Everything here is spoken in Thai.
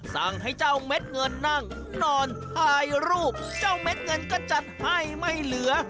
สั่งให้เจ้าเม็ดเงินนั่งนอนถ่ายรูปเจ้าเม็ดเงินก็จัดให้ไม่เหลือ